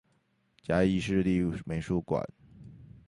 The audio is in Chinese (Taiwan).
嘉義市立美術館